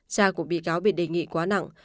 cha của bị cáo bị đề nghị quá nặng